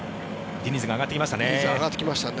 ディニズが上がってきましたね。